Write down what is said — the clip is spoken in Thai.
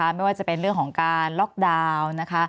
ไม่ว่าจะเป็นเรื่องของการล็อกดาวน์นะคะ